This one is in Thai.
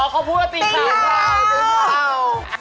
อ๋อเขาพูดว่าตีเข่า๐๐๐เนี่ย